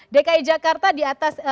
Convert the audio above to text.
dki jakarta di atas